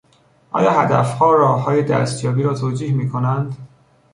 آیا هدفها راههای دستیابی را توجیه می کنند؟